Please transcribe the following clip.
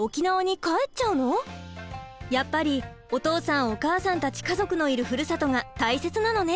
やっぱりお父さんお母さんたち家族のいるふるさとが大切なのね。